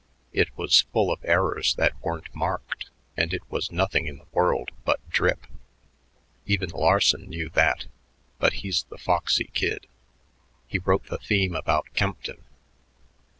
It was full of errors that weren't marked, and it was nothing in the world but drip. Even Larson knew that, but he's the foxy kid; he wrote the theme about Kempton.